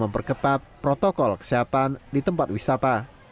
memperketat protokol kesehatan di tempat wisata